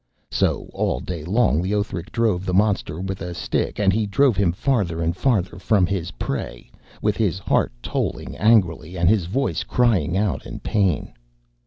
So all day long Leothric drove the monster with a stick, and he drove him farther and farther from his prey, with his heart tolling angrily and his voice crying out for pain.